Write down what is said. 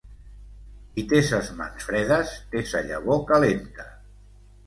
Qui té ses mans fredes, té sa llavor calenta.